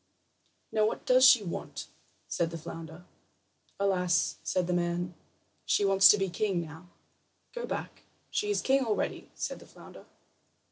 "Now, what does she want?" said the flounder. "Alas," said the man, "she wants to be king now." "Go back. She is king already," said the flounder.